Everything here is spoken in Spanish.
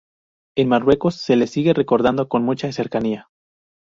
En Marruecos se le sigue recordando con mucha cercanía.